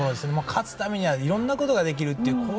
勝つためにはいろんなことができるっていう。